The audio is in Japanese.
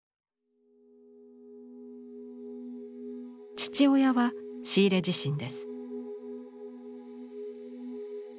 父親はシーレ自身です。